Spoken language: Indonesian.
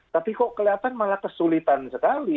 tapi kok kelihatan malah kesulitan sekali